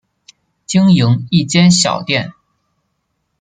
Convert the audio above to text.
经营一间小店